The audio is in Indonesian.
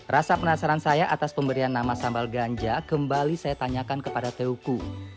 rasa penasaran saya atas pemberian nama sambal ganja kembali saya tanyakan kepada teluku